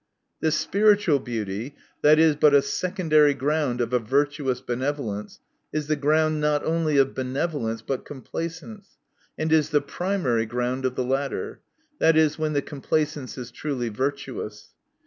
This spiritual beauty, that is but a secondary ground of a virtuous benev olence, is the ground, not only of benevolence, but complacence, and is the primary ground of the latter ; that is, when the complacence is truly virtuous.